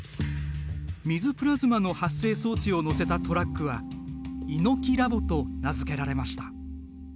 水プラズマの発生装置を載せたトラックはＩＮＯＫＩＬａｂと名付けられました。